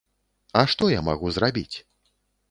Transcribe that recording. А што я магу зрабіць?